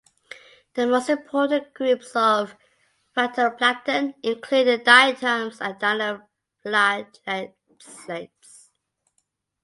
The most important groups of phytoplankton include the diatoms and dinoflagellates.